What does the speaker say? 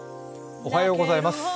おはようございます。